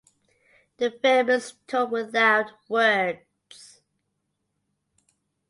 The film is told without words.